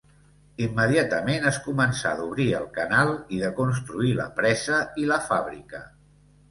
Immediatament, es començà d’obrir el canal i de construir la presa i la fàbrica.